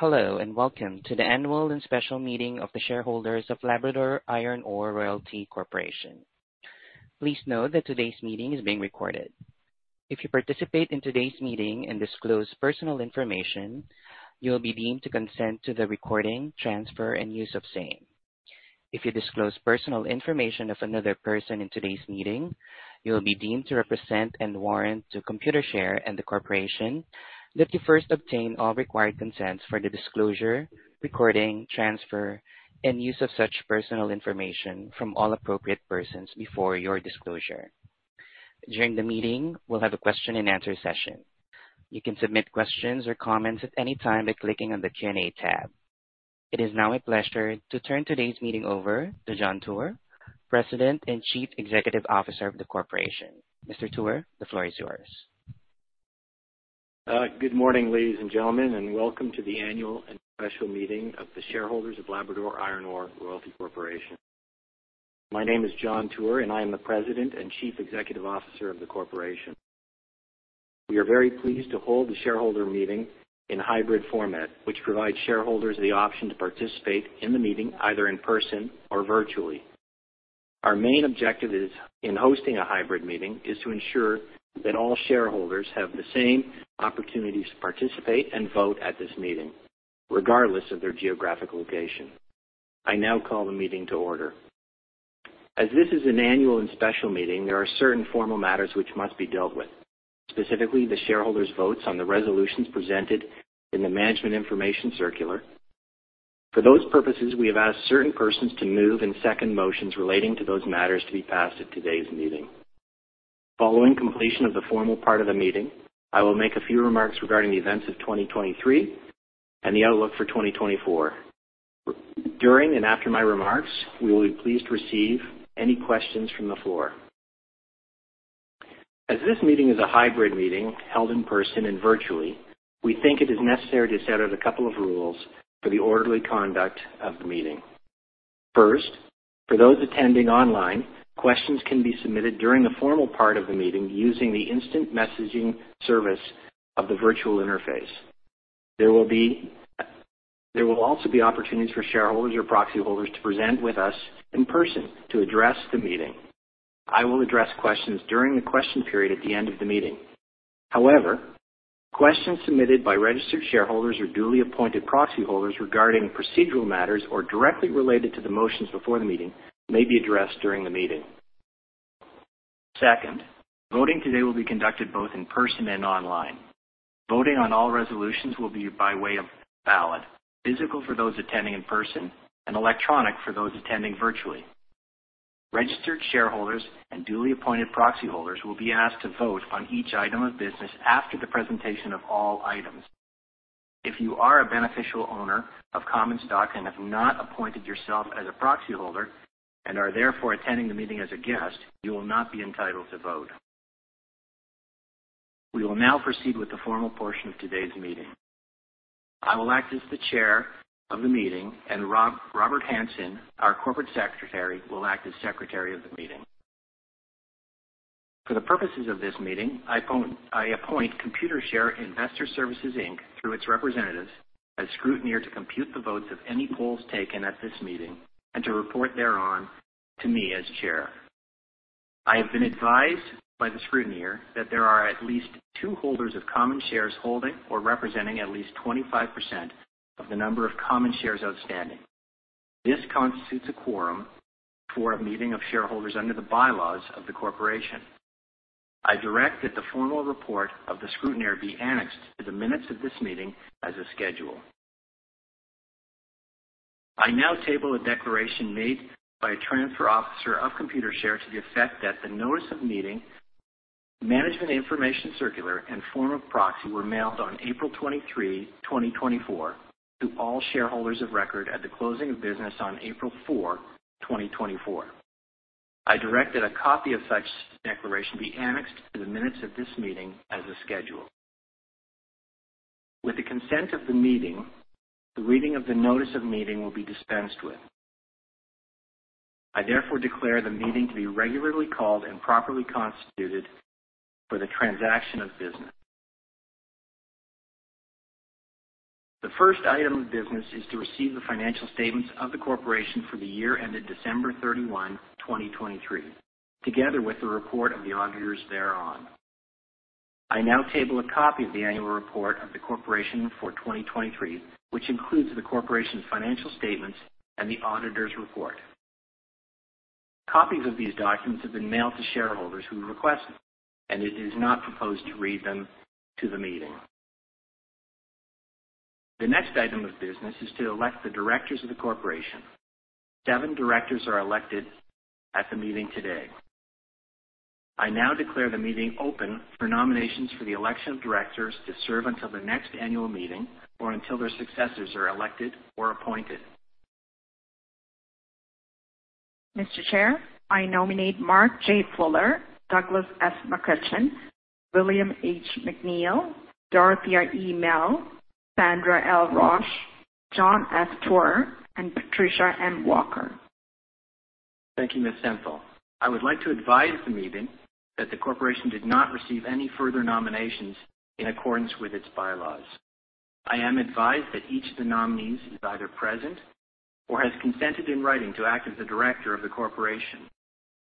Hello, and welcome to the annual and special meeting of the shareholders of Labrador Iron Ore Royalty Corporation. Please note that today's meeting is being recorded. If you participate in today's meeting and disclose personal information, you will be deemed to consent to the recording, transfer, and use of same. If you disclose personal information of another person in today's meeting, you will be deemed to represent and warrant to Computershare and the corporation that you first obtain all required consents for the disclosure, recording, transfer, and use of such personal information from all appropriate persons before your disclosure. During the meeting, we'll have a question and answer session. You can submit questions or comments at any time by clicking on the Q&A tab. It is now my pleasure to turn today's meeting over to John Tuer, President and Chief Executive Officer of the Corporation. Mr. Tuer, the floor is yours. Good morning, ladies and gentlemen, and welcome to the annual and special meeting of the shareholders of Labrador Iron Ore Royalty Corporation. My name is John Tuer, and I am the President and Chief Executive Officer of the corporation. We are very pleased to hold the shareholder meeting in a hybrid format, which provides shareholders the option to participate in the meeting either in person or virtually. Our main objective, in hosting a hybrid meeting, is to ensure that all shareholders have the same opportunities to participate and vote at this meeting, regardless of their geographic location. I now call the meeting to order. As this is an annual and special meeting, there are certain formal matters which must be dealt with, specifically the shareholders' votes on the resolutions presented in the Management Information Circular. For those purposes, we have asked certain persons to move and second motions relating to those matters to be passed at today's meeting. Following completion of the formal part of the meeting, I will make a few remarks regarding the events of 2023 and the outlook for 2024. During and after my remarks, we will be pleased to receive any questions from the floor. As this meeting is a hybrid meeting, held in person and virtually, we think it is necessary to set out a couple of rules for the orderly conduct of the meeting. First, for those attending online, questions can be submitted during the formal part of the meeting using the instant messaging service of the virtual interface. There will also be opportunities for shareholders or proxy holders to present with us in person to address the meeting. I will address questions during the question period at the end of the meeting. However, questions submitted by registered shareholders or duly appointed proxy holders regarding procedural matters or directly related to the motions before the meeting may be addressed during the meeting. Second, voting today will be conducted both in person and online. Voting on all resolutions will be by way of ballot, physical for those attending in person, and electronic for those attending virtually. Registered shareholders and duly appointed proxy holders will be asked to vote on each item of business after the presentation of all items. If you are a beneficial owner of common stock and have not appointed yourself as a proxy holder and are therefore attending the meeting as a guest, you will not be entitled to vote. We will now proceed with the formal portion of today's meeting. I will act as the chair of the meeting, and Robert Hansen, our Corporate Secretary, will act as Secretary of the meeting. For the purposes of this meeting, I appoint Computershare Investor Services Inc., through its representatives, as scrutineer to compute the votes of any polls taken at this meeting and to report thereon to me as chair. I have been advised by the scrutineer that there are at least two holders of common shares holding or representing at least 25% of the number of common shares outstanding. This constitutes a quorum for a meeting of shareholders under the bylaws of the corporation. I direct that the formal report of the scrutineer be annexed to the minutes of this meeting as a schedule. I now table a declaration made by a transfer officer of Computershare to the effect that the Notice of Meeting, Management Information Circular, and form of proxy were mailed on April 23, 2024, to all shareholders of record at the closing of business on April 4, 2024. I direct that a copy of such declaration be annexed to the minutes of this meeting as a schedule. With the consent of the meeting, the reading of the notice of meeting will be dispensed with. I therefore declare the meeting to be regularly called and properly constituted for the transaction of business. The first item of business is to receive the financial statements of the corporation for the year ended December 31, 2023, together with the report of the auditors thereon. I now table a copy of the annual report of the corporation for 2023, which includes the corporation's financial statements and the auditor's report. Copies of these documents have been mailed to shareholders who requested, and it is not proposed to read them to the meeting. The next item of business is to elect the directors of the corporation. Seven directors are elected at the meeting today. I now declare the meeting open for nominations for the election of directors to serve until the next annual meeting or until their successors are elected or appointed. Mr. Chair, I nominate Mark J. Fuller, Douglas F. McCutcheon, William H. McNeil, Dorothea E. Mell, Sandra L. Rosch, John F. Tuer, and Patricia M. Volker.... Thank you, Ms. Stenzel. I would like to advise the meeting that the corporation did not receive any further nominations in accordance with its bylaws. I am advised that each of the nominees is either present or has consented in writing to act as a director of the corporation.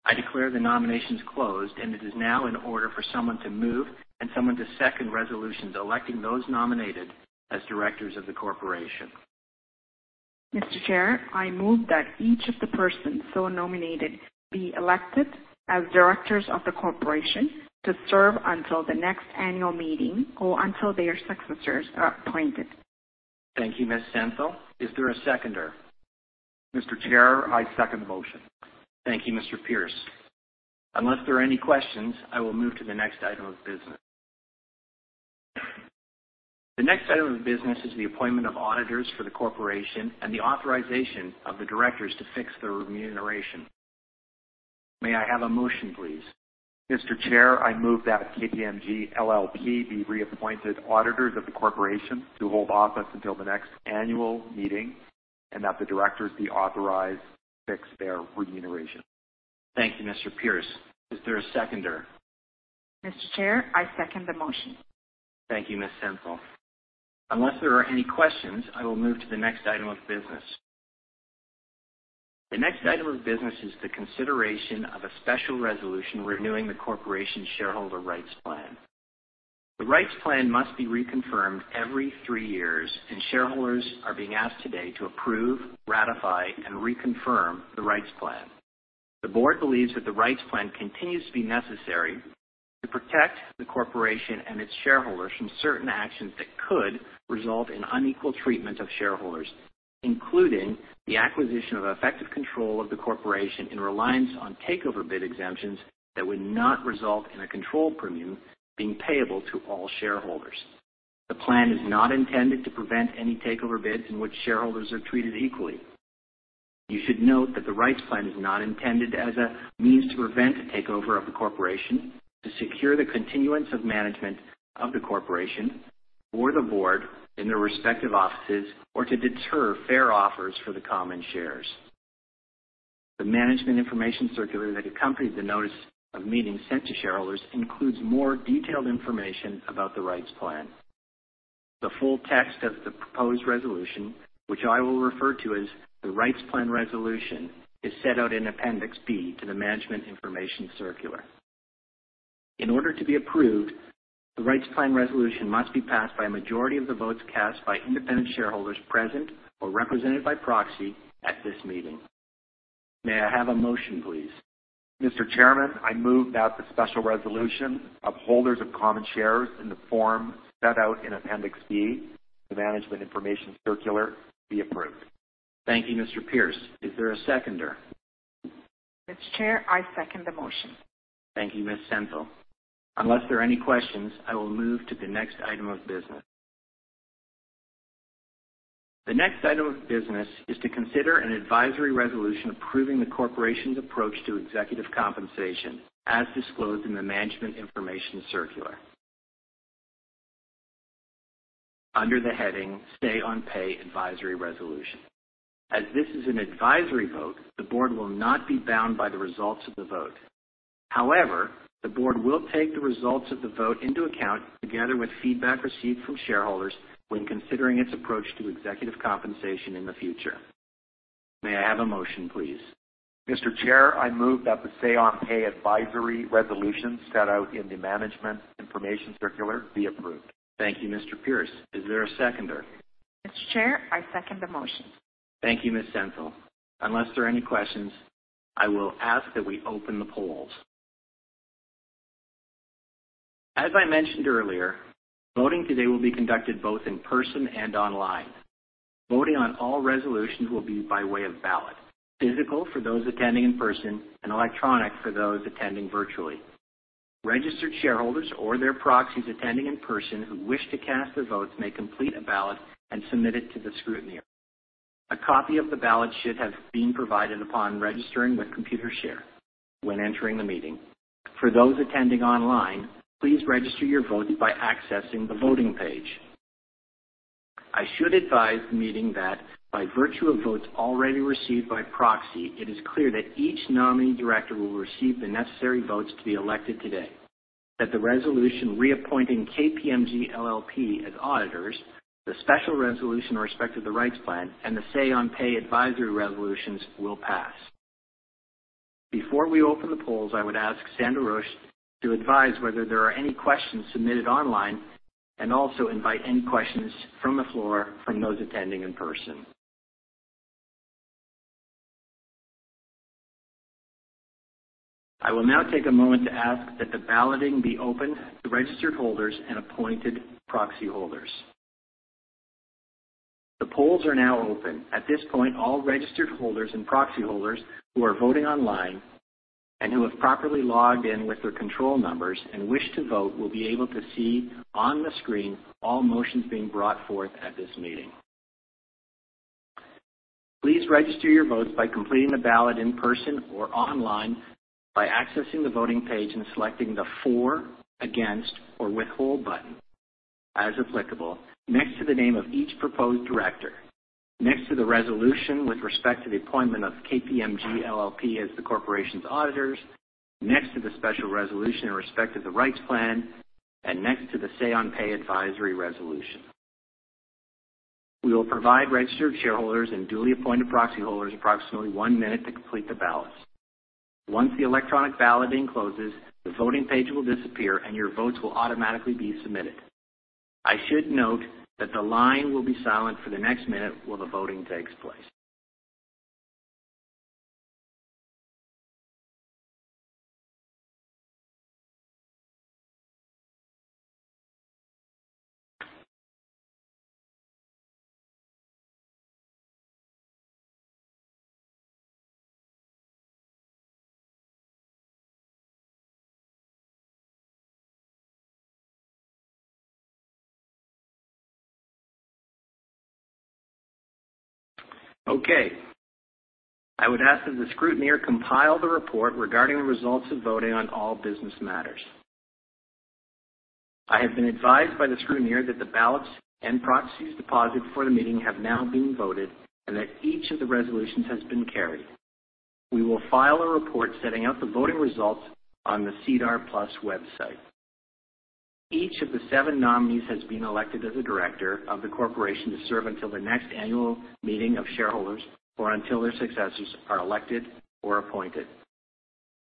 I declare the nominations closed and it is now in order for someone to move and someone to second resolutions electing those nominated as directors of the corporation. Mr. Chair, I move that each of the persons so nominated be elected as directors of the corporation to serve until the next annual meeting or until their successors are appointed. Thank you, Ms. Stenzel. Is there a seconder? Mr. Chair, I second the motion. Thank you, Mr. Pearce. Unless there are any questions, I will move to the next item of business. The next item of business is the appointment of auditors for the corporation and the authorization of the directors to fix their remuneration. May I have a motion, please? Mr. Chair, I move that KPMG LLP be reappointed auditors of the corporation to hold office until the next annual meeting, and that the directors be authorized to fix their remuneration. Thank you, Mr. Pearce. Is there a seconder? Mr. Chair, I second the motion. Thank you, Ms. Stenzel. Unless there are any questions, I will move to the next item of business. The next item of business is the consideration of a special resolution renewing the corporation's shareholder rights plan. The rights plan must be reconfirmed every three years, and shareholders are being asked today to approve, ratify, and reconfirm the rights plan. The board believes that the rights plan continues to be necessary to protect the corporation and its shareholders from certain actions that could result in unequal treatment of shareholders, including the acquisition of effective control of the corporation in reliance on takeover bid exemptions that would not result in a control premium being payable to all shareholders. The plan is not intended to prevent any takeover bids in which shareholders are treated equally. You should note that the Rights Plan is not intended as a means to prevent a takeover of the corporation, to secure the continuance of management of the corporation or the board in their respective offices, or to deter fair offers for the common shares. The Management Information Circular that accompanied the notice of meeting sent to shareholders includes more detailed information about the Rights Plan. The full text of the proposed resolution, which I will refer to as the Rights Plan resolution, is set out in Appendix B to the Management Information Circular. In order to be approved, the Rights Plan resolution must be passed by a majority of the votes cast by independent shareholders present or represented by proxy at this meeting. May I have a motion, please? Mr. Chairman, I move that the special resolution of holders of common shares in the form set out in Appendix B, the Management Information Circular, be approved. Thank you, Mr. Pearce. Is there a seconder? Mr. Chair, I second the motion. Thank you, Ms. Stenzel. Unless there are any questions, I will move to the next item of business. The next item of business is to consider an advisory resolution approving the corporation's approach to executive compensation, as disclosed in the Management Information Circular. Under the heading, Say on Pay Advisory Resolution. As this is an advisory vote, the board will not be bound by the results of the vote. However, the board will take the results of the vote into account, together with feedback received from shareholders, when considering its approach to executive compensation in the future. May I have a motion, please? Mr. Chair, I move that the Say on Pay advisory resolution set out in the Management Information Circular be approved. Thank you, Mr. Pearce. Is there a seconder? Mr. Chair, I second the motion. Thank you, Ms. Stenzel. Unless there are any questions, I will ask that we open the polls. As I mentioned earlier, voting today will be conducted both in person and online. Voting on all resolutions will be by way of ballot, physical for those attending in person, and electronic for those attending virtually. Registered shareholders or their proxies attending in person who wish to cast their votes may complete a ballot and submit it to the scrutineer. A copy of the ballot should have been provided upon registering with Computershare when entering the meeting. For those attending online, please register your vote by accessing the voting page. I should advise the meeting that by virtue of votes already received by proxy, it is clear that each nominee director will receive the necessary votes to be elected today, that the resolution reappointing KPMG LLP as auditors, the special resolution in respect of the rights plan, and the Say on Pay advisory resolutions will pass. Before we open the polls, I would ask Sandra Rosch to advise whether there are any questions submitted online and also invite any questions from the floor from those attending in person. I will now take a moment to ask that the balloting be opened to registered holders and appointed proxy holders. The polls are now open. At this point, all registered holders and proxy holders who are voting online and who have properly logged in with their control numbers and wish to vote, will be able to see on the screen all motions being brought forth at this meeting. Please register your votes by completing the ballot in person or online, by accessing the voting page and selecting the for, against, or withhold button... as applicable, next to the name of each proposed director, next to the resolution with respect to the appointment of KPMG LLP as the corporation's auditors, next to the special resolution in respect to the rights plan, and next to the Say on Pay advisory resolution. We will provide registered shareholders and duly appointed proxy holders approximately one minute to complete the ballots. Once the electronic balloting closes, the voting page will disappear and your votes will automatically be submitted. I should note that the line will be silent for the next minute while the voting takes place. Okay, I would ask that the scrutineer compile the report regarding the results of voting on all business matters. I have been advised by the scrutineer that the ballots and proxies deposited before the meeting have now been voted, and that each of the resolutions has been carried. We will file a report setting out the voting results on the SEDAR+ website. Each of the seven nominees has been elected as a director of the corporation to serve until the next annual meeting of shareholders or until their successors are elected or appointed.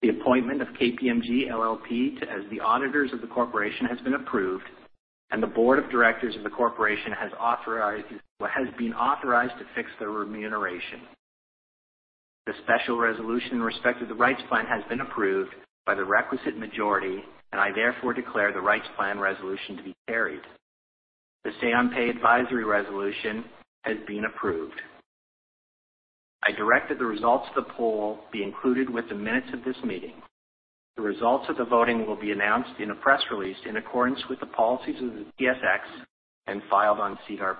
The appointment of KPMG LLP as the auditors of the corporation has been approved, and the board of directors of the corporation has been authorized to fix their remuneration. The special resolution in respect to the rights plan has been approved by the requisite majority, and I therefore declare the rights plan resolution to be carried. The Say on Pay advisory resolution has been approved. I direct that the results of the poll be included with the minutes of this meeting. The results of the voting will be announced in a press release in accordance with the policies of the TSX and filed on SEDAR+.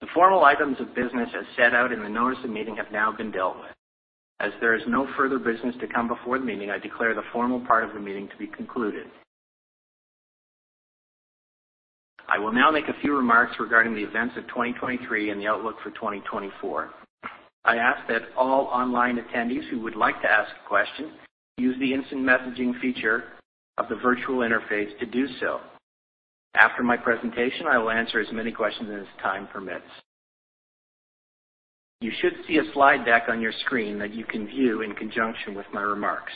The formal items of business as set out in the notice of meeting have now been dealt with. As there is no further business to come before the meeting, I declare the formal part of the meeting to be concluded. I will now make a few remarks regarding the events of 2023 and the outlook for 2024. I ask that all online attendees who would like to ask a question use the instant messaging feature of the virtual interface to do so. After my presentation, I will answer as many questions as time permits. You should see a slide deck on your screen that you can view in conjunction with my remarks.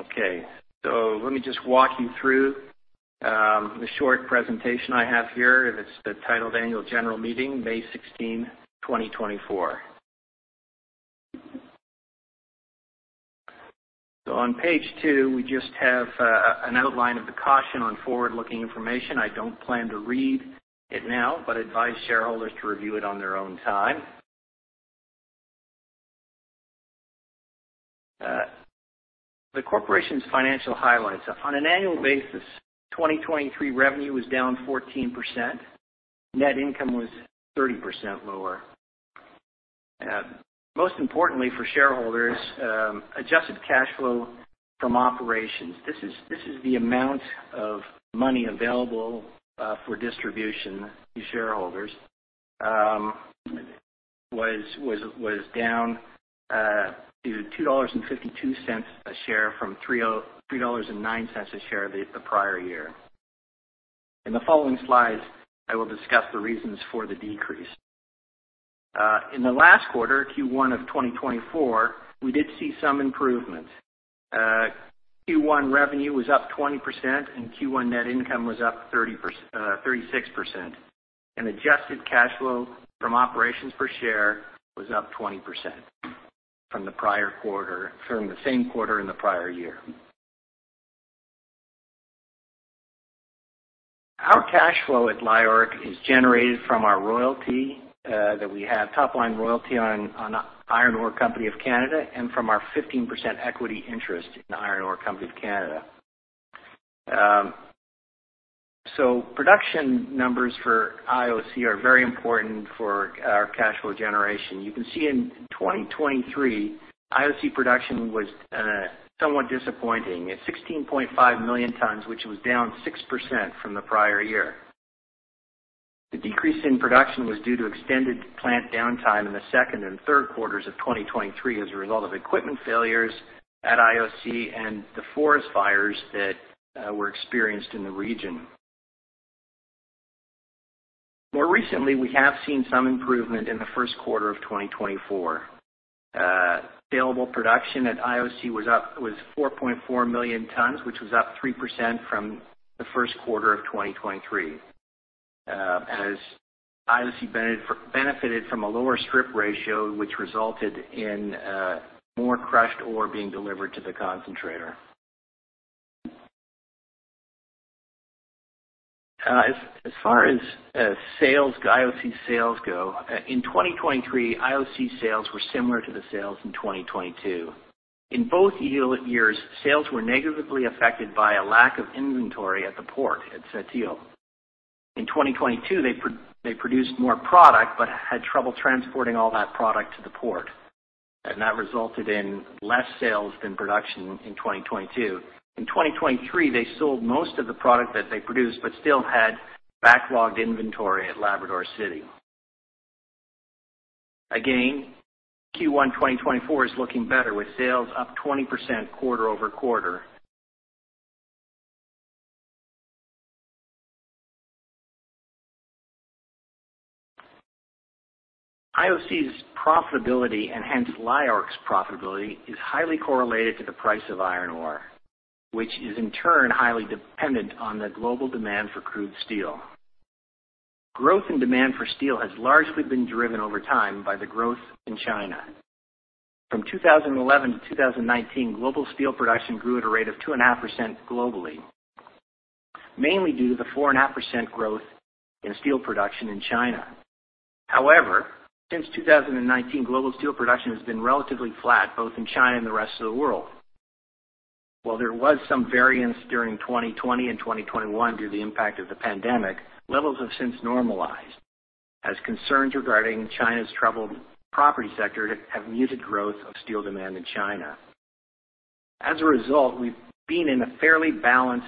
Okay, so let me just walk you through the short presentation I have here, and it's titled Annual General Meeting, May 16, 2024. So on page two, we just have an outline of the caution on forward-looking information. I don't plan to read it now, but advise shareholders to review it on their own time. The corporation's financial highlights. On an annual basis, 2023 revenue was down 14%. Net income was 30% lower. Most importantly for shareholders, adjusted cash flow from operations. This is the amount of money available for distribution to shareholders was down to 2.52 dollars a share from 3.039 dollars a share the prior year. In the following slides, I will discuss the reasons for the decrease. In the last quarter, Q1 of 2024, we did see some improvements. Q1 revenue was up 20%, and Q1 net income was up 36%, and adjusted cash flow from operations per share was up 20% from the prior quarter, from the same quarter in the prior year. Our cash flow at LIORC is generated from our royalty that we had top line royalty on Iron Ore Company of Canada, and from our 15% equity interest in Iron Ore Company of Canada. So production numbers for IOC are very important for our cash flow generation. You can see in 2023, IOC production was somewhat disappointing at 16.5 million tons, which was down 6% from the prior year. The decrease in production was due to extended plant downtime in the second and third quarters of 2023, as a result of equipment failures at IOC and the forest fires that were experienced in the region. More recently, we have seen some improvement in the first quarter of 2024. Available production at IOC was up 4.4 million tons, which was up 3% from the first quarter of 2023. As IOC benefited from a lower strip ratio, which resulted in more crushed ore being delivered to the concentrator. As far as sales, IOC sales go, in 2023, IOC sales were similar to the sales in 2022. In both years, sales were negatively affected by a lack of inventory at the port at Sept-Îles. In 2022, they produced more product, but had trouble transporting all that product to the port, and that resulted in less sales than production in 2022. In 2023, they sold most of the product that they produced, but still had backlogged inventory at Labrador City. Again, Q1 2024 is looking better, with sales up 20% quarter-over-quarter. IOC's profitability, and hence LIORC's profitability, is highly correlated to the price of iron ore, which is, in turn, highly dependent on the global demand for crude steel. Growth and demand for steel has largely been driven over time by the growth in China. From 2011 to 2019, global steel production grew at a rate of 2.5% globally, mainly due to the 4.5% growth in steel production in China. However, since 2019, global steel production has been relatively flat, both in China and the rest of the world. While there was some variance during 2020 and 2021 due to the impact of the pandemic, levels have since normalized, as concerns regarding China's troubled property sector have muted growth of steel demand in China. As a result, we've been in a fairly balanced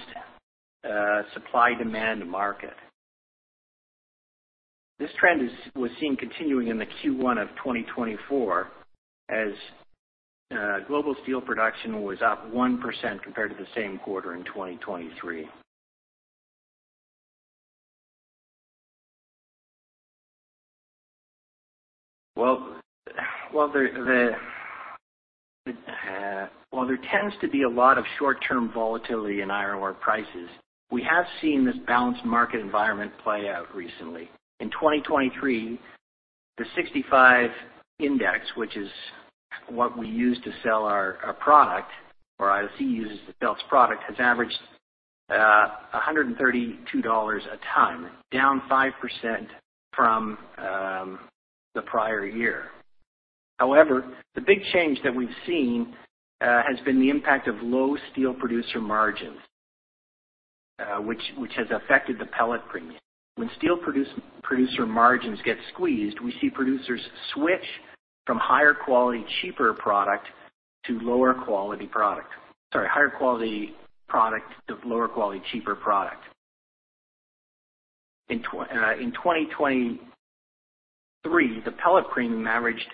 supply-demand market. This trend was seen continuing in the Q1 of 2024, as global steel production was up 1% compared to the same quarter in 2023. Well, while there tends to be a lot of short-term volatility in iron ore prices, we have seen this balanced market environment play out recently. In 2023, the 65 index, which is what we use to sell our product, or IOC uses to sell its product, has averaged $132 a ton, down 5% from the prior year. However, the big change that we've seen has been the impact of low steel producer margins, which has affected the pellet premium. When steel producer margins get squeezed, we see producers switch from higher quality, cheaper product to lower quality product. Sorry, higher quality product to lower quality, cheaper product. In 2023, the pellet premium averaged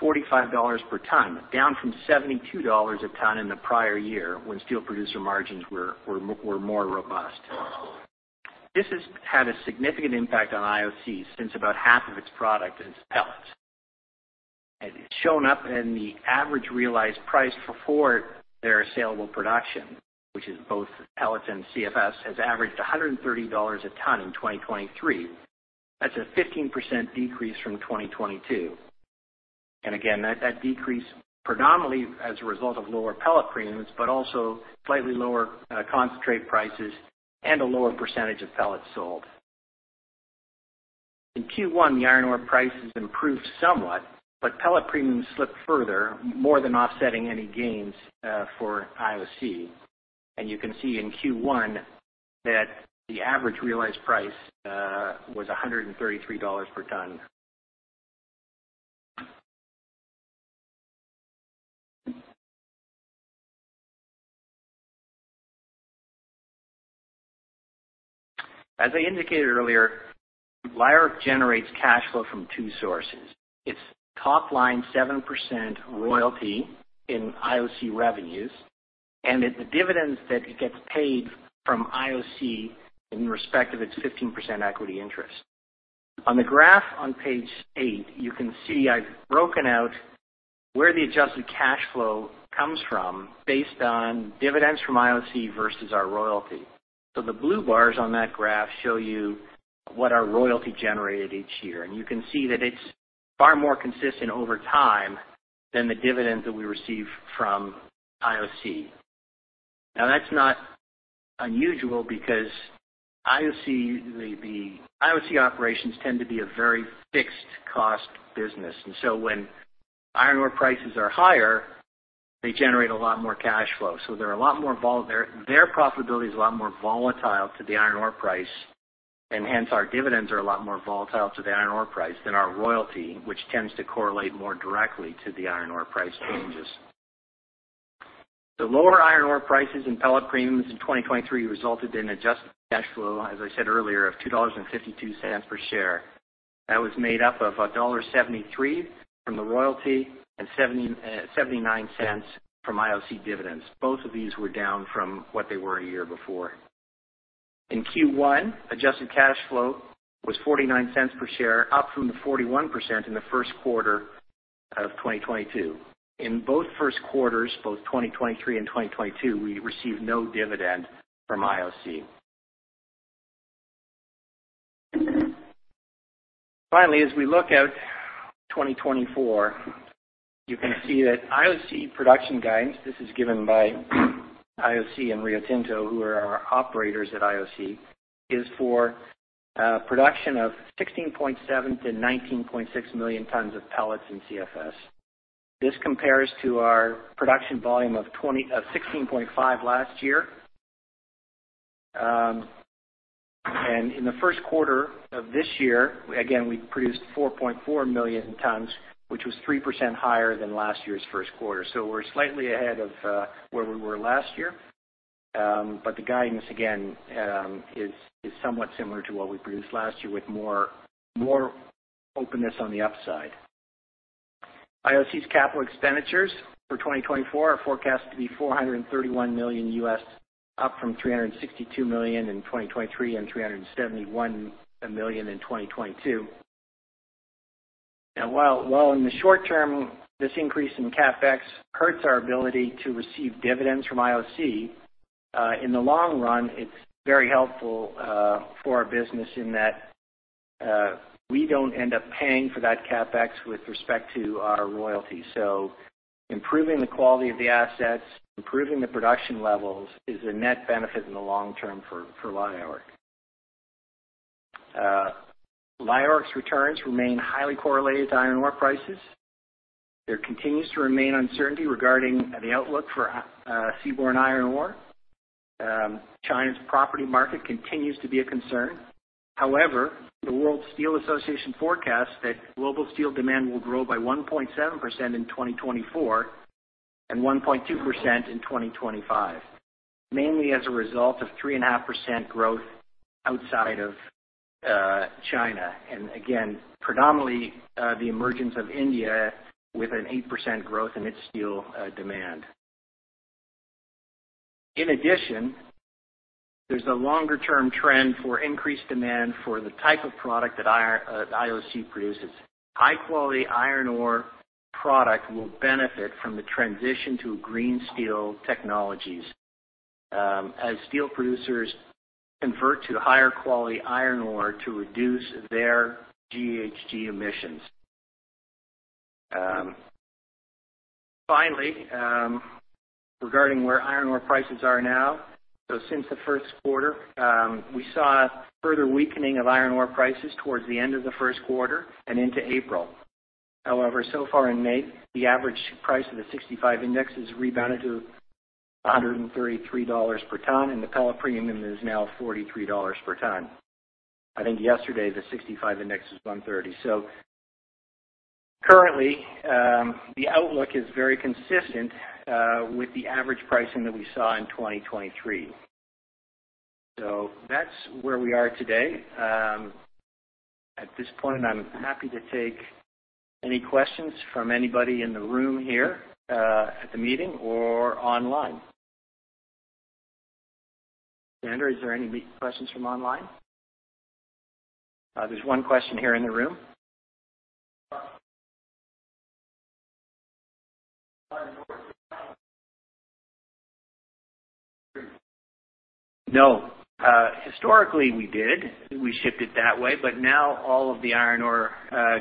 $45 per ton, down from $72 a ton in the prior year, when steel producer margins were more robust. This has had a significant impact on IOC since about half of its product is pellets. And it's shown up in the average realized price for their saleable production, which is both pellets and CFS, has averaged $130 a ton in 2023. That's a 15% decrease from 2022. And again, that decreased predominantly as a result of lower pellet premiums, but also slightly lower concentrate prices and a lower percentage of pellets sold. In Q1, the iron ore prices improved somewhat, but pellet premiums slipped further, more than offsetting any gains for IOC. And you can see in Q1 that the average realized price was $133 per ton. As I indicated earlier, LIORC generates cash flow from two sources: its top-line 7% royalty in IOC revenues, and the dividends that it gets paid from IOC in respect of its 15% equity interest. On the graph on page 8, you can see I've broken out where the adjusted cash flow comes from based on dividends from IOC versus our royalty. So the blue bars on that graph show you what our royalty generated each year, and you can see that it's far more consistent over time than the dividends that we receive from IOC. Now, that's not unusual because IOC, the IOC operations tend to be a very fixed cost business, and so when iron ore prices are higher, they generate a lot more cash flow. Their profitability is a lot more volatile to the iron ore price, and hence, our dividends are a lot more volatile to the iron ore price than our royalty, which tends to correlate more directly to the iron ore price changes. The lower iron ore prices and pellet premiums in 2023 resulted in adjusted cash flow, as I said earlier, of 2.52 dollars per share. That was made up of dollar 1.73 from the royalty and 0.79 from IOC dividends. Both of these were down from what they were a year before. In Q1, adjusted cash flow was 0.49 per share, up from the 41 cents in the first quarter of 2022. In both first quarters, both 2023 and 2022, we received no dividend from IOC. Finally, as we look out 2024, you can see that IOC production guidance, this is given by IOC and Rio Tinto, who are our operators at IOC, is for production of 16.7 million-19.6 million tons of pellets and CFS. This compares to our production volume of 16.5 last year. In the first quarter of this year, again, we produced 4.4 million tons, which was 3% higher than last year's first quarter. So we're slightly ahead of where we were last year. But the guidance, again, is somewhat similar to what we produced last year, with more openness on the upside. IOC's capital expenditures for 2024 are forecast to be $431 million, up from $362 million in 2023, and $371 million in 2022. And while in the short term, this increase in CapEx hurts our ability to receive dividends from IOC, in the long run, it's very helpful for our business in that we don't end up paying for that CapEx with respect to our royalties. So improving the quality of the assets, improving the production levels, is a net benefit in the long term for LIORC. LIORC's returns remain highly correlated to iron ore prices. There continues to remain uncertainty regarding the outlook for seaborne iron ore. China's property market continues to be a concern. However, the World Steel Association forecasts that global steel demand will grow by 1.7% in 2024 and 1.2% in 2025, mainly as a result of 3.5% growth outside of China, and again, predominantly, the emergence of India with an 8% growth in its steel demand. In addition, there's a longer-term trend for increased demand for the type of product that IOC produces. High-quality iron ore product will benefit from the transition to Green Steel technologies, as steel producers convert to higher quality iron ore to reduce their GHG emissions. Finally, regarding where iron ore prices are now. So since the first quarter, we saw a further weakening of iron ore prices towards the end of the first quarter and into April. However, so far in May, the average price of the 65 index has rebounded to $133 per ton, and the pellet premium is now $43 per ton. I think yesterday, the 65 index was $130. So currently, the outlook is very consistent with the average pricing that we saw in 2023. So that's where we are today. At this point, I'm happy to take any questions from anybody in the room here at the meeting or online. Sandra, is there any questions from online? There's one question here in the room. No. Historically, we did. We shipped it that way, but now all of the iron ore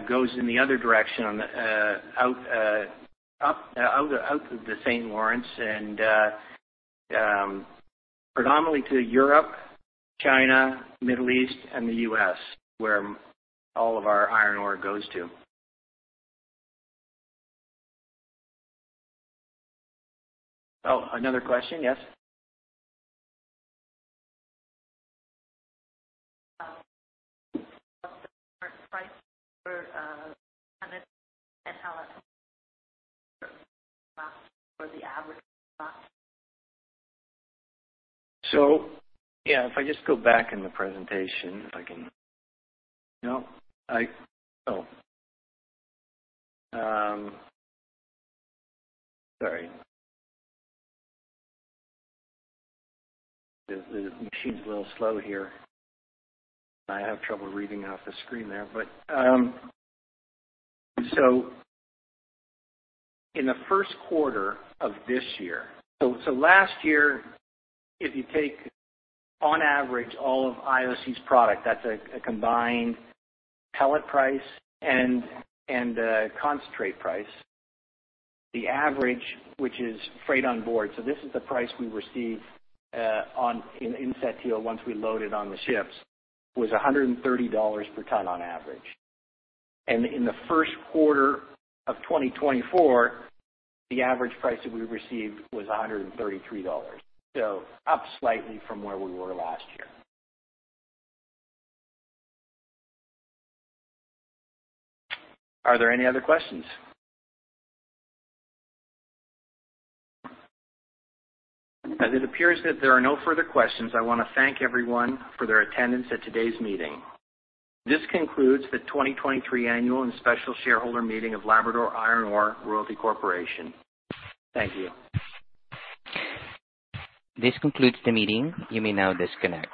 goes in the other direction, on the out the St. Lawrence. St. Lawrence and predominantly to Europe, China, Middle East, and the US, where all of our iron ore goes to. Another question? Yes. So, yeah, if I just go back in the presentation, if I can. Sorry. The machine's a little slow here. I have trouble reading off the screen there. But so in the first quarter of this year—so last year, if you take on average all of IOC's product, that's a combined pellet price and concentrate price. The average, which is freight-on-board, so this is the price we received on in Sept-Îles, once we loaded on the ships, was $130 per ton on average. In the first quarter of 2024, the average price that we received was $133, so up slightly from where we were last year. Are there any other questions? As it appears that there are no further questions, I want to thank everyone for their attendance at today's meeting. This concludes the 2023 annual and special shareholder meeting of Labrador Iron Ore Royalty Corporation. Thank you. This concludes the meeting. You may now disconnect.